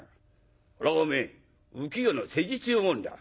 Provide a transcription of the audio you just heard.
それはおめえ浮世の世辞っちゅうもんだ。